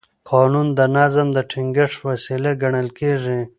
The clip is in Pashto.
قانون د نظم د ټینګښت وسیله ګڼل کېږي.